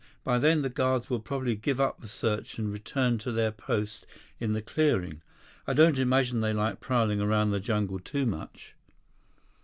By then, the guards will probably give up the search and return to their post in the clearing. I don't imagine they like prowling around the jungle too much."